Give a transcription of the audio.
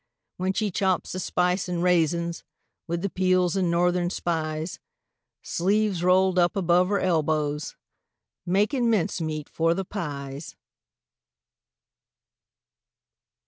When she chops the spice an' raisins, With the peels an' Northern Spies, Sleeves rolled up above her elbows, Makin' mincemeat for the pies.